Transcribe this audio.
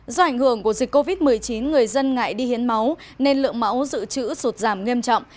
do ảnh hưởng của dịch covid một mươi chín người dân ngại đi hiến máu nên lượng máu dự trữ sụt giảm nghiêm trọng